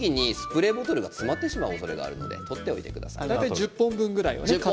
種はあとで使う時にスプレーボトルが詰まってしまうおそれがあるので取ってください。